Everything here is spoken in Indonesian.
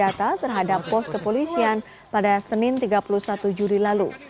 data terhadap pos kepolisian pada senin tiga puluh satu juli lalu